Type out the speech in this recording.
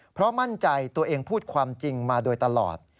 เพราะมั่นใจตัวเองพูดความจริงมาโดยตลอด